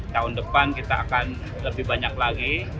tahun depan kita akan lebih banyak lagi